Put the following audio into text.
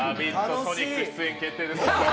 ソニック、出演決定です。